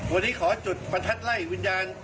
วันนี้ขอจุดประทัดไล่วิญญาณ